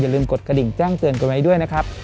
ลืมกดกระดิ่งแจ้งเตือนกันไว้ด้วยนะครับ